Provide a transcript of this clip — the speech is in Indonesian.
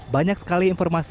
banyak sekali informasi